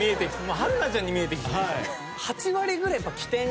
春奈ちゃんに見えてきて。